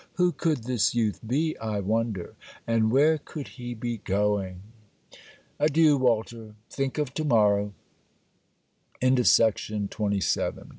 Who could this youth be, I wonder; and where could he be going? Adieu, Walter! Think of to morrow. LETTER XI FROM CAROLINE AS